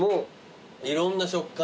いろんな食感